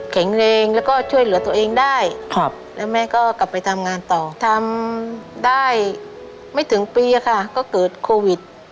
แข็งแรงแล้วก็ช่วยเหลือตัวเองได้แล้วแม่ก็กลับไปทำงานต่อทำได้ไม่ถึงปีค่ะก็เกิดโควิด